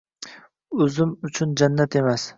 Uzim uchun jannat emas